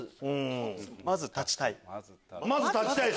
まず立ちたい。